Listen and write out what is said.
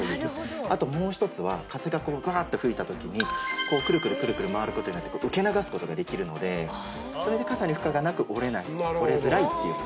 あともう１つは風がガッと吹いたときにクルクル回ることによって受け流すことができるのでそれで傘に負荷がなく折れない折れづらいっていう。